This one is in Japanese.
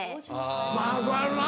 まぁそやろな。